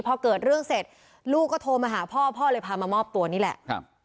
พอเกิดเรื่องเสร็จลูกก็โทรมาหาพ่อพ่อเลยพามามอบตัวนี่แหละ